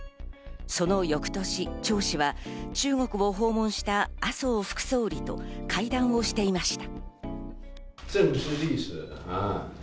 その翌年、チョウ氏は中国を訪問した麻生副総理と会談をしていました。